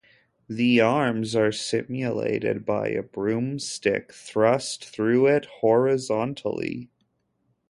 The arms are simulated by a broomstick thrust through it horizontally.